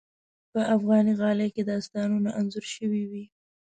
په افغاني غالۍ کې داستانونه انځور شوي وي.